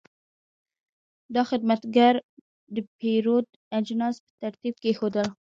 دا خدمتګر د پیرود اجناس په ترتیب کېښودل.